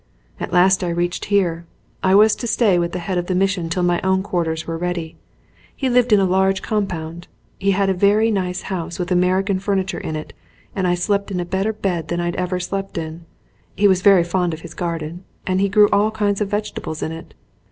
At last I reached here. I was to stay with the head of the mission till my own quarters were ready. He lived in a large compound. He had a very nice house with American furniture in it and I slept in a better bed than I'd ever slept in. He was very fond of his garden and he grew all kinds of vege tables in it.